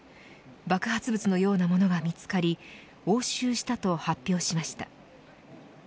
爆発物のようなものが見つかり押収したと発表しました。